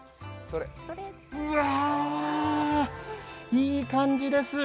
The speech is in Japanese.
うわぁ、いい感じです。